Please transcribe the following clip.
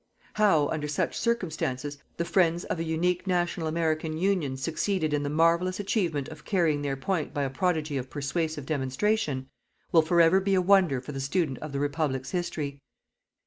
How, under such circumstances, the friends of a unique National American Union succeeded in the marvellous achievement of carrying their point by a prodigy of persuasive demonstration, will forever be a wonder for the student of the Republic's history.